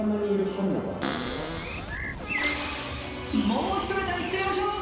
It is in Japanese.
もうひとネタいっちゃいましょう。